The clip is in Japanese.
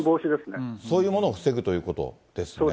そういうものを防ぐというこそうですね。